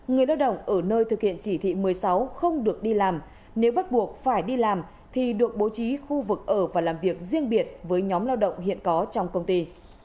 người lao động ở nơi thực hiện chỉ thị một mươi sáu không được đi làm nếu bắt buộc phải đi làm thì được bố trí khu vực ở và làm việc riêng biệt với nhóm lao động hiện có trong công ty